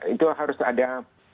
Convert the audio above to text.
itu harus ada